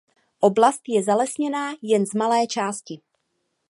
Oblast je zalesněná jen z malé části.